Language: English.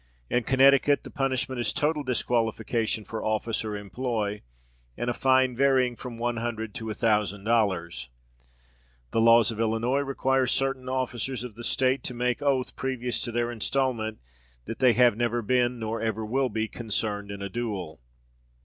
In Connecticut the punishment is total disqualification for office or employ, and a fine varying from one hundred to a thousand dollars. The laws of Illinois require certain officers of the state to make oath, previous to their instalment, that they have never been, nor ever will be, concerned in a duel. Encyclopedia Americana, art. Duelling.